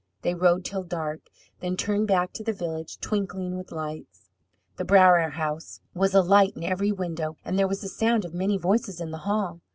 They rode till dark, then turned back to the village, twinkling with lights. The Brower house was alight in every window, and there was the sound of many voices in the hall.